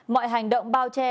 mọi hành động bao che